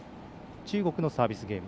中国のサービスゲーム。